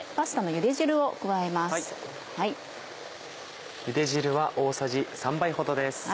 ゆで汁は大さじ３杯ほどです。